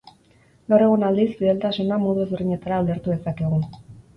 Gaur egun aldiz, fideltasuna, modu ezberdinetara ulertu dezakegu.